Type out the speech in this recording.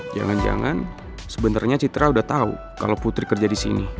jangan jangan sebenarnya citra udah tahu kalau putri kerja di sini